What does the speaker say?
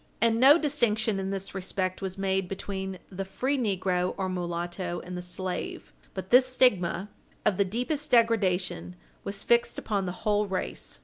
And no distinction in this respect was made between the free negro or mulatto and the slave, but this stigma of the deepest degradation was fixed upon the whole race.